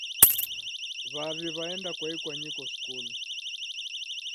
Wavi waenda kwa ikwanyiko skulu.